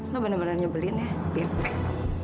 lu bener bener nyebelin ya pimpin